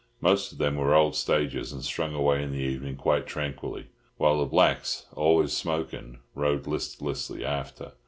Most of them were old stagers, and strung away in the evening quite tranquilly, while the blacks, always smoking, rode listlessly after.